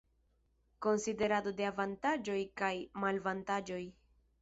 Konsiderado de avantaĝoj kaj malavantaĝoj.